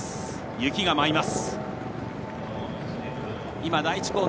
雪が舞います。